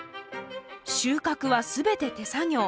収穫は全て手作業。